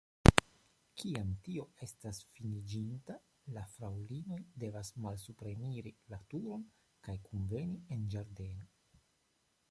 Kiam tio estas finiĝinta, la fraŭlinoj devas malsupreniri la turon kaj kunveni en ĝardeno.